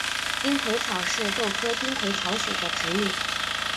丁癸草是豆科丁癸草属的植物。